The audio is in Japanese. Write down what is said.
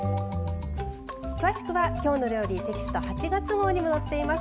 詳しくは「きょうの料理」テキスト８月号にも載っています。